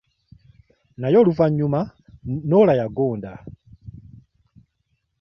Naye oluvannyuma Norah yagonda.